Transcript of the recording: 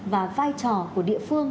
và vai trò của địa phương